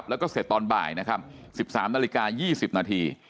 แล้วก็เสร็จตอนบ่ายนะครับ๑๓นาฬิกา๒๐นาที